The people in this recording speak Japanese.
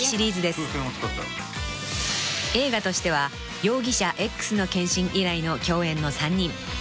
［映画としては『容疑者Ｘの献身』以来の共演の３人］